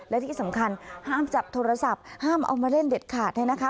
และที่สำคัญห้ามจับโทรศัพท์ห้ามเอามาเล่นเด็ดขาดเนี่ยนะคะ